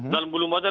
dalam bulu matahari